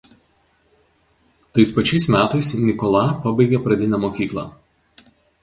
Tais pačiais metais Nikola pabaigė pradinę mokyklą.